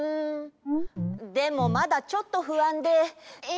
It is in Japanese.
でもまだちょっとふあんで。え！